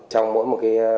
trong mỗi một phiên bản